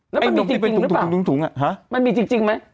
น้ำนมนี่เป็นถุงอะฮะมันมีจริงไหม